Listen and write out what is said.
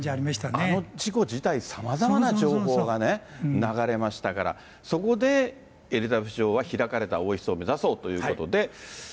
あの事故自体、さまざまな情報がね、流れましたから、そこでエリザベス女王は開かれた王室を目指そうということで。